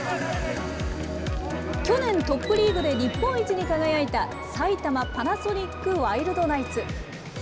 去年、トップリーグで日本一に輝いた埼玉パナソニックワイルドナイツ。